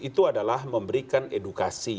itu adalah memberikan edukasi